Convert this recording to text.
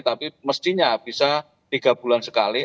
tapi mestinya bisa tiga bulan sekali